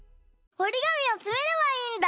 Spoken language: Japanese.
おりがみをつめればいいんだ。